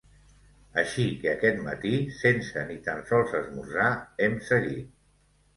Així que aquest matí, sense ni tan sols esmorzar, hem seguit.